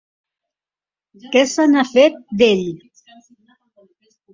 Què se n'ha fet, d'ell?